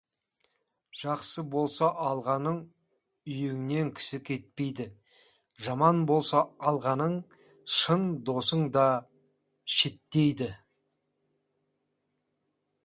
Жақсы болса алғаның, үйіңнен кісі кетпейді, жаман болса алғаның, шын досың да шеттейді.